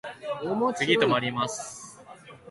次止まります。